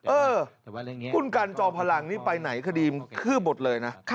เออคุณกันจอมพลังนี่ไปไหนคดีมันคืบหมดเลยนะ